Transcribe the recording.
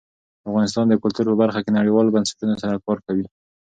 افغانستان د کلتور په برخه کې نړیوالو بنسټونو سره کار کوي.